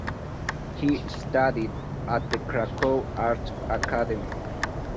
He studied at the Cracow Art Academy.